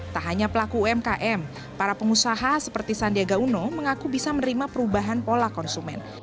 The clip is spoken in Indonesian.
tak hanya pelaku umkm para pengusaha seperti sandiaga uno mengaku bisa menerima perubahan pola konsumen